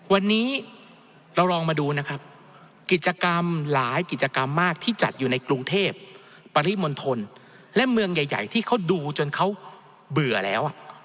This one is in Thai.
วันนี้เราลองมาดูนะครับกิจกรรมหลายกิจกรรมมากที่จัดอยู่ในกรุงเทพปริมณฑลและเมืองใหญ่ที่เขาดูจนเขาเบื่อแล้ว